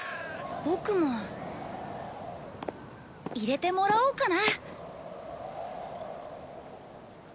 ボクも入れてもらおうかな。